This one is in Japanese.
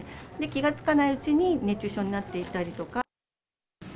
気が付かないうちに熱中症になっていたりとか。